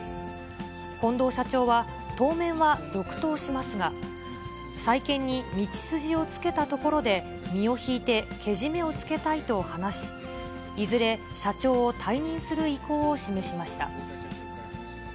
近藤社長は、当面は続投しますが、再建に道筋をつけたところで身を引いて、けじめをつけたいと話し、いずれ社長を退任する意向を示しました。